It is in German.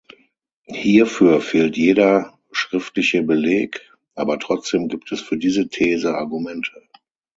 Hierfür fehlt jeder schriftliche Beleg, aber trotzdem gibt es für diese These Argumente.